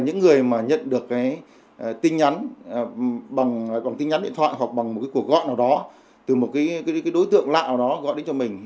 những người mà nhận được cái tin nhắn bằng tin nhắn điện thoại hoặc bằng một cái cuộc gọi nào đó từ một cái đối tượng lạ đó gọi đến cho mình